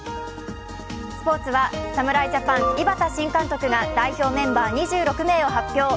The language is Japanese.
スポーツは侍ジャパン井端新監督が代表メンバー２６名を発表。